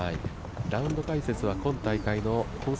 ラウンド解説は今大会のコース